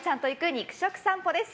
肉食さんぽです。